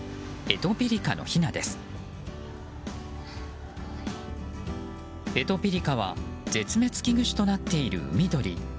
エトピリカは絶滅危惧種となっている海鳥。